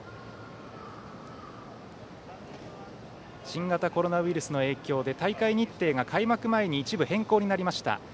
新型コロナウイルスの影響で大会日程が開幕前に一部変更になりました。